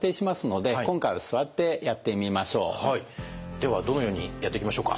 ではどのようにやっていきましょうか？